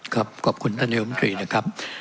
ครับขอบคุณท่านนิวมภิรินะครับ